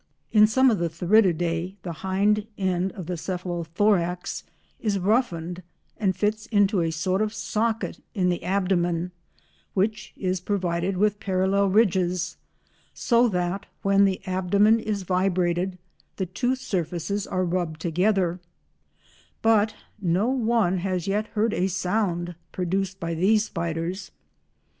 In some of the Theridiidae the hind end of the cephalothorax is roughened and fits into a sort of socket in the abdomen which is provided with parallel ridges, so that when the abdomen is vibrated the two surfaces are rubbed together, but no one has yet heard a sound produced by these spiders.